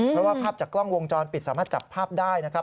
เพราะว่าภาพจากกล้องวงจรปิดสามารถจับภาพได้นะครับ